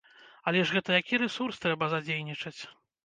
Але гэта ж які рэсурс трэба задзейнічаць!